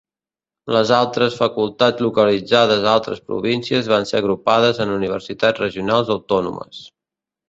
Les altres facultats localitzades a altres províncies van ser agrupades en universitats regionals autònomes.